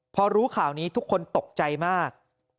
พอรู้ข่าวนี้ทุกคนตกใจมาก